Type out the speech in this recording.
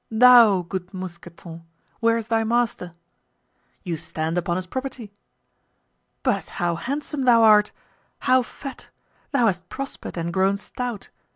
"Thou good Mousqueton! where is thy master?" "You stand upon his property!" "But how handsome thou art—how fat! thou hast prospered and grown stout!"